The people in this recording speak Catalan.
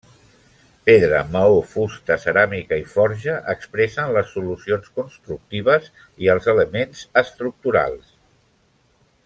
Pedra, maó, fusta, ceràmica i forja, expressen les solucions constructives i els elements estructurals.